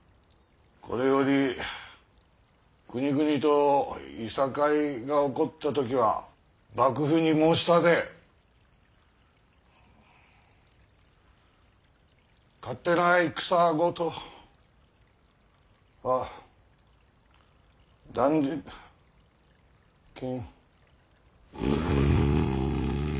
これより国々といさかいが起こった時は幕府に申し立て勝手な戦事は断じ禁。